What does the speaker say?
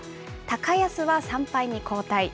高安は３敗に後退。